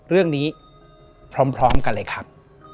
เรื่องนี้พร้อมกันเลยครับ